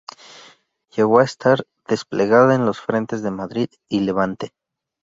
Llegó a estar desplegada en los frentes de Madrid y Levante.